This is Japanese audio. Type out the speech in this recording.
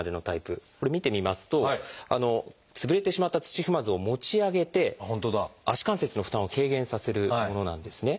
これ見てみますと潰れてしまった土踏まずを持ち上げて足関節の負担を軽減させるものなんですね。